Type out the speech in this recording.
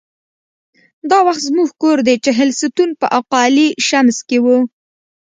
دا وخت زموږ کور د چهلستون په اقا علي شمس کې و.